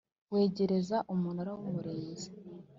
wegereza Umunara w Umurinzi